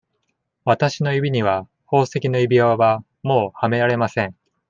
私の指には、宝石の指輪は、もうはめられません。